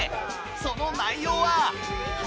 その内容は。